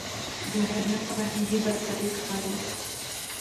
د نارينه فرهنګي برتري ښيي.